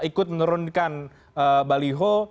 tni ikut menurunkan baliho